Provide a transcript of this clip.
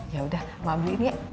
ya udah mau ambil ini ya